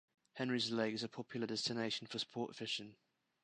Henrys Lake is a popular destination for sport fishing.